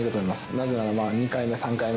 なぜなら１回目、２回目。